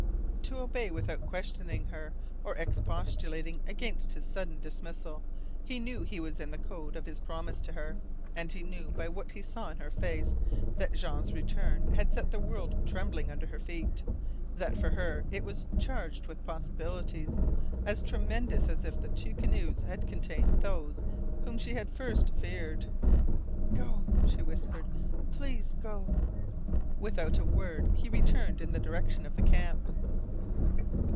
To obey without questioning her or expostulating against his sudden dismissal, he knew was in the code of his promise to her. And he knew by what he saw in her face that Jean's return had set the world trembling under her feet, that for her it was charged with possibilities as tremendous as if the two canoes had contained those whom she had at first feared. "Go," she whispered. "Please go." Without a word he returned in the direction of the camp.